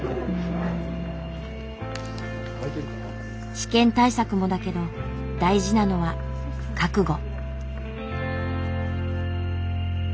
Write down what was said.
試験対策もだけど大事なのは覚悟。